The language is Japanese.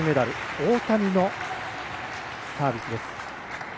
大谷のサービスです。